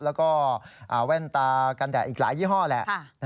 แล้วก็แว่นตากันแดดอีกหลายยี่ห้อแหละ